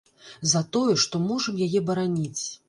За тое, што можам яе бараніць.